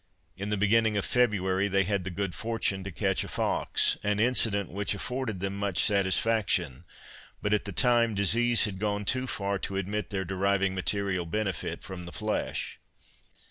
In the beginning of February they had the good fortune to catch a fox, an incident which afforded them much satisfaction, but at that time disease had gone too far to admit their deriving material benefit from the flesh.